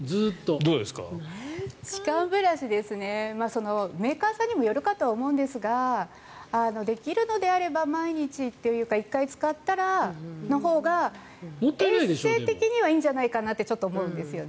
歯間ブラシはメーカーさんにもよるかと思うんですができるのであれば毎日というか１回使ったらのほうが衛生的にはいいんじゃないかなってちょっと思うんですよね。